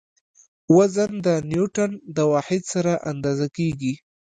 وزن د نیوټڼ د واحد سره اندازه کیږي.